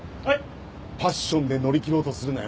パッションで乗り切ろうとするなよ。